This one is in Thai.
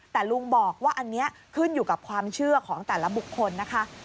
แต่ลุงบอกว่าอันนี้ขึ้นอยู่กับความเชื่อของแต่ละบุคคลนะคะ